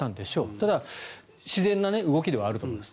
ただ、自然な動きではあると思います。